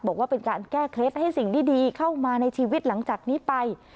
บอกว่าเป็นการแก้เคล็ดให้สิ่งดีเข้ามาในชีวิตหลังจากนี้ไป